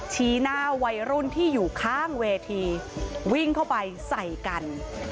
ชี้หน้าวัยรุ่นที่อยู่ข้างเวทีวิ่งเข้าไปใส่กัน